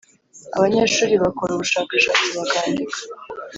Abanyeshuri bakora ubushakashatsi, bakandika,